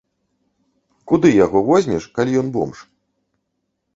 Куды яго возьмеш, калі ён бомж?